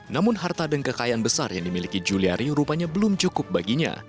namun harta dan kekayaan besar yang dimiliki juliari rupanya belum cukup baginya